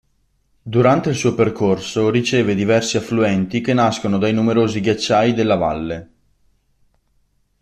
Durante il suo percorso riceve diversi affluenti che nascono dai numerosi ghiacciai della valle.